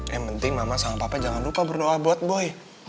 yang penting mama sama papa jangan lupa berdoa buat boy